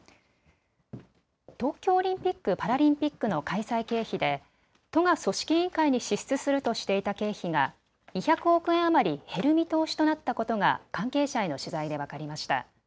東京オリンピック・パラリンピックの開催経費で都が組織委員会に支出するとしていた経費が２００億円余り減る見通しとなったことが関係者への取材で分かりました。